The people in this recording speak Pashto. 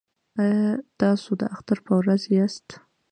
ایا تاسو د اختر په ورځ یاست؟